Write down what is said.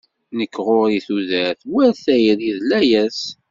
Nekk ɣur-i tudert war tayri d layas.